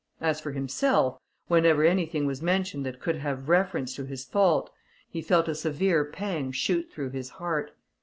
As for himself, whenever anything was mentioned that could have reference to his fault, he felt a severe pang shoot through his heart.